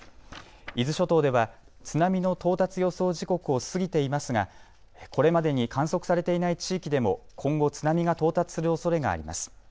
伊豆諸島では津波の到達予想時刻を過ぎていますがこれまでに観測されていない地域でも今後、津波が到達するおそれがあります。